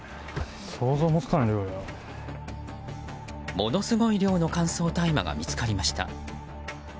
ものすごい量の乾燥大麻が見つかりました。